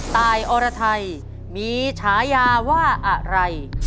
ตายอรไทยมีฉายาว่าอะไร